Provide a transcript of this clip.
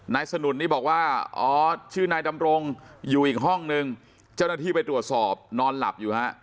นายสนุนนี่บอกว่าอ๋อชื่อนายดำรงอยู่อีกห้องนึงเจ้าหน้าที่ไปตรวจสอบนอนหลับอยู่ฮะ